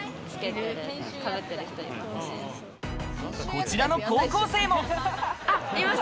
こちらの高校生も。